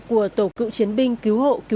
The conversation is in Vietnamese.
của tổ cựu chiến binh cứu hộ